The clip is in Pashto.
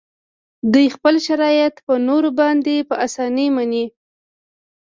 دوی خپل شرایط په نورو باندې په اسانۍ مني